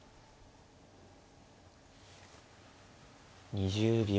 ２０秒。